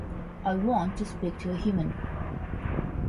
I want to speak to a human.